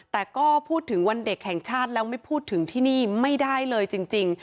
แต่ก็พูดถึงวันเด็กแห่งชาติแล้วไม่พูดถึงที่นี่ไม่ได้เลยจริง